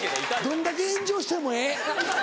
どんだけ炎上してもええ。